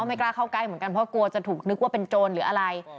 ไม่กล้าเข้าใกล้เหมือนกันเพราะกลัวจะถูกนึกว่าเป็นโจรหรืออะไร